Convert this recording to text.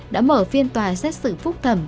đã mở phiên tòa xét xử phúc thẩm